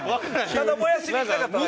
ただ燃やしにいきたかっただけ。